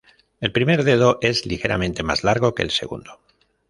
El primer dedo es ligeramente más largo que el segundo.